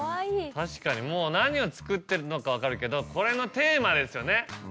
確かにもう何を作ってるのか分かるけどこれのテーマですよね。